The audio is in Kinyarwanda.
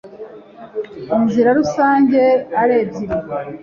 inzira rusange ari ebyiri